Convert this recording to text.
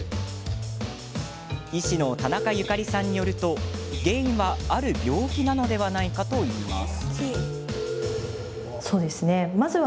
医師の田中由佳里さんによると原因は、ある病気なのではないかといいます。